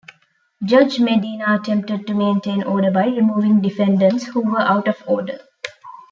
Judge Medina attempted to maintain order by removing defendants who were out of order.